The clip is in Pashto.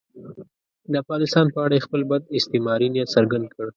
د افغانستان په اړه یې خپل بد استعماري نیت څرګند کړ.